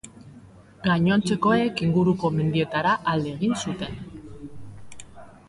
Gainontzekoek inguruko mendietara alde egin zuten.